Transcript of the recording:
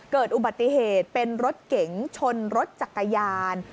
เกิดอุบัติเหตุเป็นรถเก๋งชนรถจักรยาน